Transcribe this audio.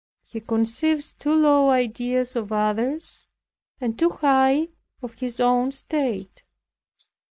He conceives too low ideas of others, and too high of his own state.